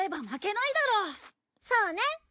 そうね。